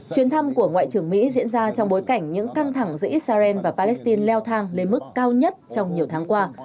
chuyến thăm của ngoại trưởng mỹ diễn ra trong bối cảnh những căng thẳng giữa israel và palestine leo thang lên mức cao nhất trong nhiều tháng qua